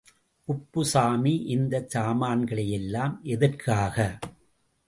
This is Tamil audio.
குப்புசாமி, இந்தச் சாமான்கள் எல்லாம் எதற்காக?